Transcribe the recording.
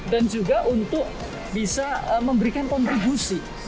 dan juga untuk bisa memberikan kontribusi